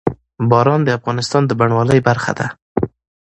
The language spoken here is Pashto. باران د افغانستان د بڼوالۍ برخه ده.